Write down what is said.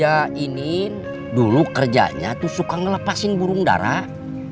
bapak inim dulu kerjanya tuh suka ngelepasin burung darah